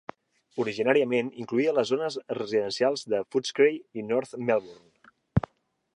Originàriament incloïa les zones residencials de Footscray i North Melbourne.